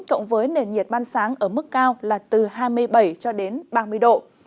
cộng với nền nhiệt ban sáng ở mức cao là từ hai mươi bảy cho đến ba mươi độ